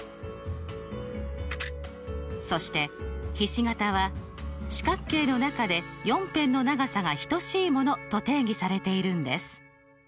そしてひし形は「四角形の中で４辺の長さが等しいもの」と定義されているんです。